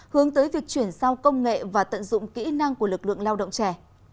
hướng tới việc chuyển sao công nghệ và tận dụng kỹ năng của lực lượng lao động trẻ